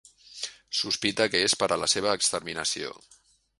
Sospita que és per a la seva exterminació.